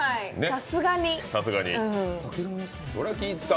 さすがに。